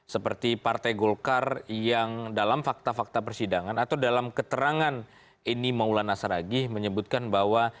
seperti partai golkar yang dalam fakta fakta persidangan atau dalam keterangan ini maulana saragih menyebutkan bahwa